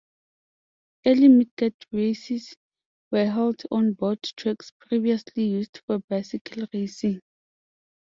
Early midget races were held on board tracks previously used for bicycle racing.